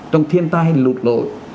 trong thiên tai lụt lội